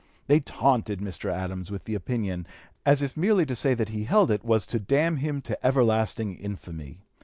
They taunted Mr. Adams with the opinion, as if merely to say that he held it was to damn him to everlasting infamy.